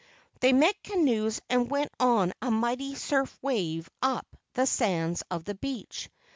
They met canoes and went on a mighty surf wave up the sands of the beach.